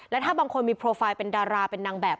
และถ้าบางคนมีโปรไฟล์เป็นดาราเป็นนางแบบ